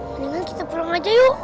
mendingan kita pulang aja yuk